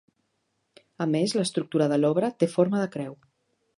A més, l'estructura de l'obra té forma de creu.